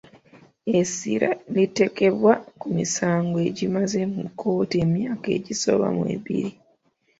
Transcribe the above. Essira liteekebbwa ku misango egimaze mu kkooti emyaka egisoba mu ebiri.